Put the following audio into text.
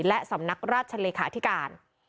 และสำนักราชเลขาธิการ